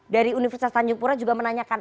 dari universitas tanjung pura juga menanyakan